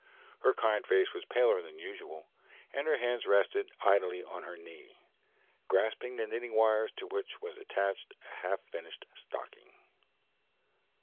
Her kind face was paler than usual, and her hands rested idly on her knee, grasping the knitting wires to which was attached a half finished stocking.